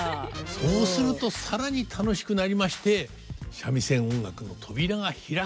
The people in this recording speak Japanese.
そうすると更に楽しくなりまして三味線音楽の扉が開くとこう思います。